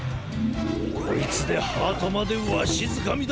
こいつでハートまでわしづかみだ！